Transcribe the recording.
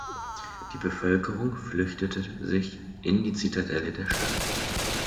Die Bevölkerung flüchtete sich in die Zitadelle der Stadt.